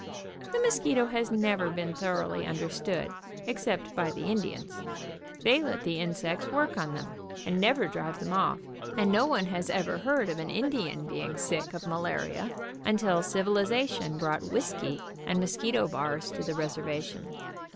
The mosquito has never been thoroughly understood, except by the Indians. They let the insects work on them, and never drive them off, and no one ever heard of an Indian being sick of malaria until civilization brought whisky and mos quito bars to the reservation.